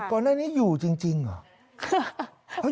ก่อนนั้นนี่อยู่จริงหรือ